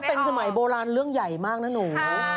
เป็นสมัยโบราณเรื่องใหญ่มากนะหนู